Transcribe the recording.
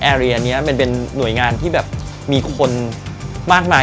เอเรียนี้เป็นหน่วยงานที่มีคนมากมาย